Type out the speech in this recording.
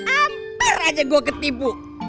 amper aja gue ketibu